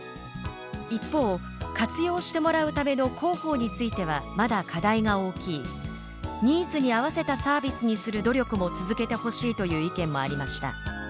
一方、活用してもらうための広報についてはまだ課題が大きいニーズに合わせたサービスにする努力も続けてほしいという意見もありました。